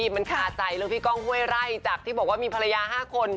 มันคาใจเรื่องพี่ก้องห้วยไร่จากที่บอกว่ามีภรรยา๕คน